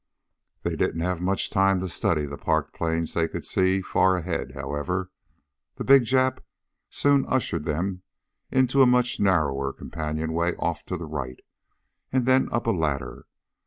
They didn't have much time to study the parked planes they could see far ahead, however. The big Jap soon ushered them into a much narrower companionway off to the right, and then up a ladder.